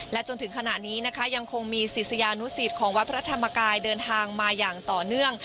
จนถึงขณะนี้นะคะยังคงมีศิษยานุสิตของวัดพระธรรมกายเดินทางมาอย่างต่อเนื่อง